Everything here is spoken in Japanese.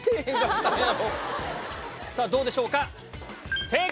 さあ、どうでしょうか。